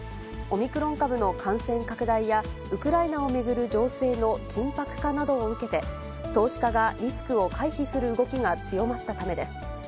オミクロン株の感染拡大やウクライナを巡る情勢の緊迫化などを受けて、投資家がリスクを回避する動きが強まったためです。